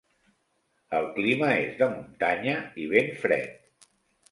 El clima és de muntanya i ben fred.